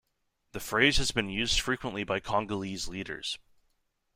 The phrase has been used frequently by Congolese leaders.